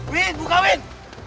win buka win